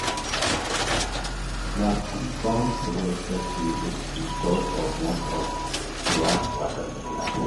The Pequannock watershed is the source of most of Newark's water supply.